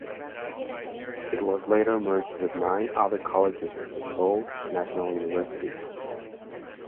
It was later merged with nine other colleges into Seoul National University.